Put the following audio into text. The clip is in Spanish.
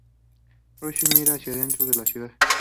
Rossi mira hacia el centro de la ciudad.